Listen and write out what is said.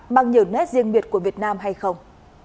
mang nhiều nét riêng biệt của việt nam hay không